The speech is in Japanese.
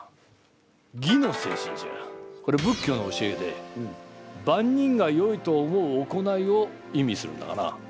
これ仏教の教えでばんにんがよいと思う行いを意味するんだがな。